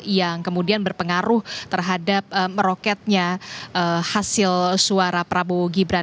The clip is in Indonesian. yang kemudian berpengaruh terhadap meroketnya hasil suara prabowo gibran